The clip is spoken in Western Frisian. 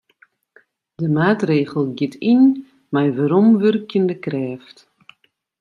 De maatregel giet yn mei weromwurkjende krêft.